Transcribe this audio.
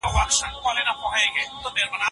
خاموشي د ده ملګرې ده.